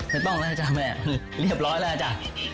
ไม่ต้องแล้วจ้ะแม่เรียบร้อยแล้วจ้ะ